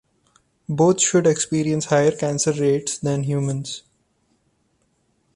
Both should experience higher cancer rates than humans.